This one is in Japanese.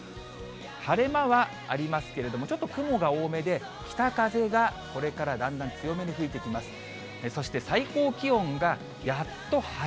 晴れ間はありますけれども、ちょっと雲が多めで、北風がこれからだんだん強めに吹いてきます。